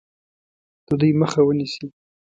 د دوی مخه ونیسي.